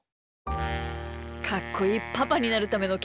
かっこいいパパになるためのけんきゅう！